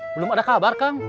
belum ada kabar kang